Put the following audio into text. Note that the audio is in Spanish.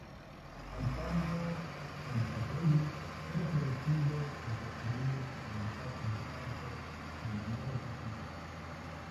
Antaño el chacolí era producido en caseríos o casas de campo de manera artesanal.